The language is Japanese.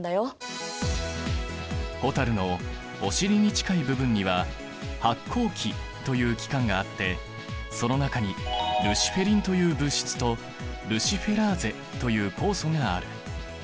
蛍のお尻に近い部分には発光器という器官があってその中にルシフェリンという物質とルシフェラーゼという酵素がある。